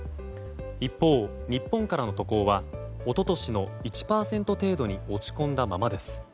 一方、日本からの渡航は一昨年の１％程度に落ち込んだままです。